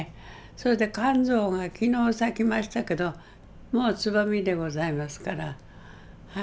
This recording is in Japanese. それでカンゾウが昨日咲きましたけどもうつぼみでございますから。